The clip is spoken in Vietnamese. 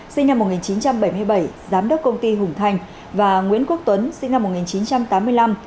sinh năm một nghìn chín trăm bảy mươi bảy giám đốc công ty hùng thành và nguyễn quốc tuấn sinh năm một nghìn chín trăm tám mươi năm